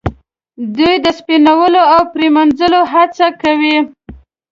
دوی د سپینولو او پریمینځلو هڅه کوي.